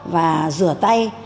và rửa tay